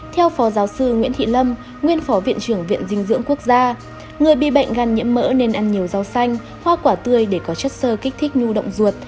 theo phó giáo sư nguyễn thị lâm nguyên phó viện trưởng viện dinh dưỡng quốc gia người bị bệnh gan nhiễm mỡ nên ăn nhiều rau xanh hoa quả tươi để có chất sơ kích thích nhu động ruột